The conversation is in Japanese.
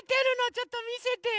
ちょっとみせてよ。